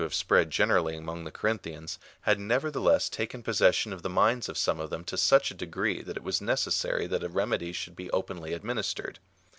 have spread generally among the Corinthians, had never theless taken possession of the minds of some of them to such a degree, that it was necessary that a remedy should be openly administered.